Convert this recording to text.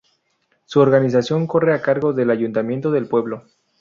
Su organización corre a cargo del ayuntamiento del pueblo.